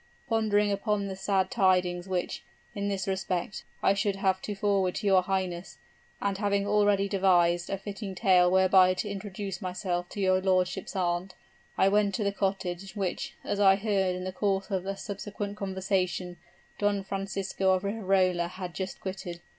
Pondering upon the sad tidings which, in this respect, I should have to forward to your highness, and having already devised a fitting tale whereby to introduce myself to your lordship's aunt, I went to the cottage, which, as I heard in the course of a subsequent conversation, Don Francisco of Riverola had just quitted.